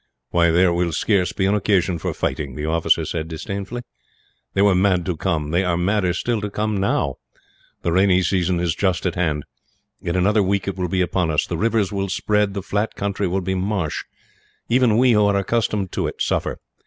"Why, there will scarce be an occasion for fighting," the officer said, disdainfully. "They were mad to come; they are madder, still, to come now. The rainy season is just at hand. In another week it will be upon us. The rivers will spread, the flat country will be a marsh. Even we, who are accustomed to it, suffer.